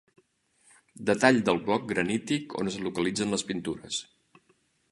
Detall del bloc granític on es localitzen les pintures.